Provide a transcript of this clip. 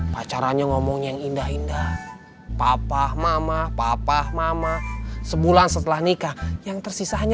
pacaranya ngomong yang indah indah papa mama papa mama sebulan setelah nikah yang tersisa hanya